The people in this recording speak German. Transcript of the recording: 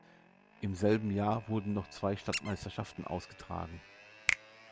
Im selben Jahr wurden noch zwei Stadtmeisterschaften ausgetragen.